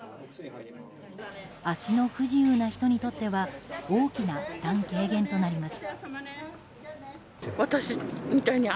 足の不自由な人にとっては大きな負担軽減となります。